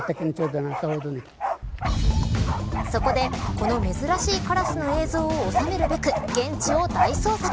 そこで、この珍しいカラスの映像を収めるべく現地を大捜索。